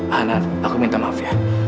anak anak aku minta maaf ya